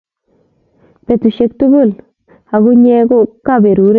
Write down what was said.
petusiek tugul ak unye ko kabaruret